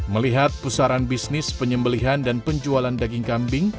melihat pusaran bisnis penyembelihan dan penjualan daging kambing